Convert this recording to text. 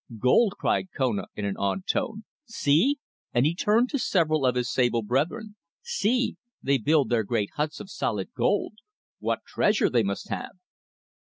"Gold!" cried Kona, in an awed tone. "See!" and he turned to several of his sable brethren. "See! they build their great huts of solid gold! What treasure they must have!"